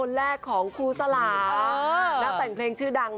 นั่งแรง